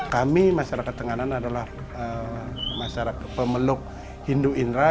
kami masyarakat tenganan adalah masyarakat pemeluk hindu indra